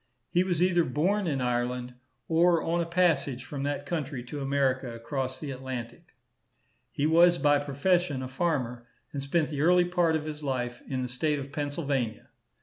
He was either born in Ireland or on a passage from that country to America across the Atlantic. He was by profession a farmer, and spent the early part of his life in the state of Pennsylvania.